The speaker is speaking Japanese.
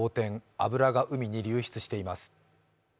油が海に流出しています。